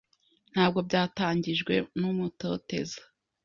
ntabwo byatangijwe numutoteza